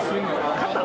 肩？